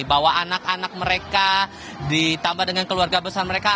bahwa anak anak mereka ditambah dengan keluarga besar mereka